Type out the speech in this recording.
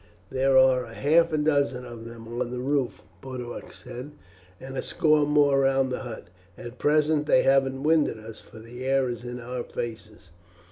"There are half a dozen of them on the roof," Boduoc said, "and a score or more round the hut. At present they haven't winded us, for the air is in our faces."